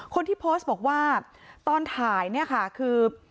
คนที่โพสต์บอกว่าตอนถ่ายคือ